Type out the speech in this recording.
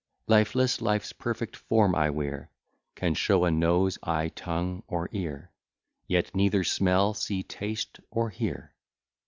Lifeless, life's perfect form I wear, Can show a nose, eye, tongue, or ear, Yet neither smell, see, taste, or hear.